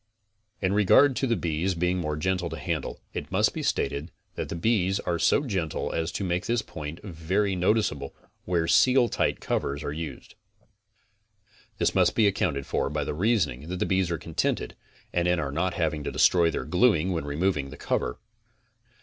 In regard t othe bees being more gentle to handle, it must be stated that the bees are so gentle as to make this point very no ticeable, where Seal Tight covers are used. This must be ac counted for by the reasoning that the bees are contented, and in our not having to destroy their gluing when removing the cover.